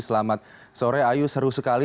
selamat sore ayu seru sekali